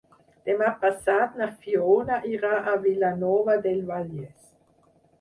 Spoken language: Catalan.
Demà passat na Fiona irà a Vilanova del Vallès.